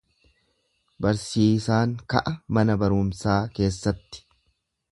Barsiisaan ka'a mana barumsaa keessatti.